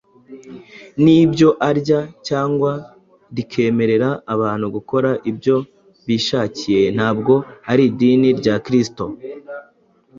n’ibyo arya, cyangwa rikemerera abantu gukora ibyo bishakiye ntabwo ari idini rya kristo.